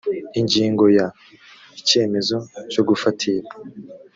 ingingo ya icyemezo cyo gufatira